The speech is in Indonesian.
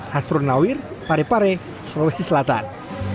hasrun nawir parepare sulawesi selatan